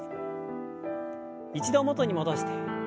一度元に戻して。